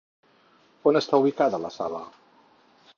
A on està ubicada la sala?